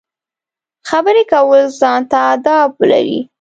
خبرې کول ځان ته اداب لري.